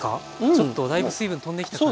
ちょっとだいぶ水分飛んできた感じが。